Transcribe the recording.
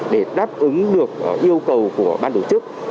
để đáp ứng được yêu cầu của ban tổ chức